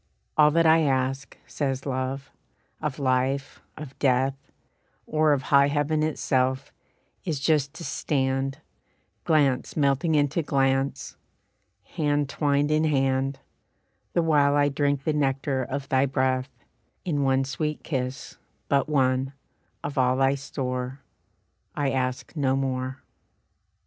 "All that I ask," says Love, "of life, of death, Or of high heaven itself, is just to stand, Glance melting into glance, hand twined in hand, The while I drink the nectar of thy breath, In one sweet kiss, but one, of all thy store, I ask no more."